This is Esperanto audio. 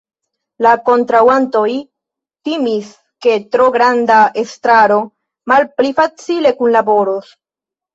La kontraŭantoj timis ke tro granda estraro malpli facile kunlaboros.